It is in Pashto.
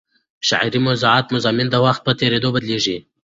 شعري موضوعات او مضامین د وخت په تېرېدو بدلېږي.